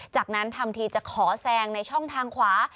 จากนั้นทำทีจะขอแซงในช่องทางขวา